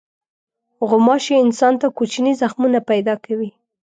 غوماشې انسان ته کوچني زخمونه پیدا کوي.